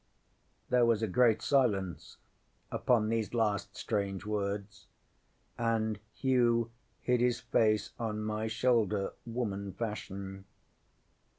ŌĆØ ŌĆśThere was a great silence upon these last strange words, and Hugh hid his face on my shoulder, woman fashion.